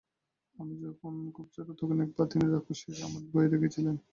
আমি যখন খুব ছোট, তখন একবার তিনি রাক্ষস সেজে আমাদের ভয় দেখিয়ে- ছিলেন।